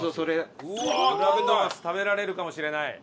ブランドマス食べられるかもしれない？